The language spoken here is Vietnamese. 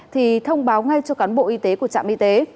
thì thông báo ngay cho cán bộ y tế của trạm y tế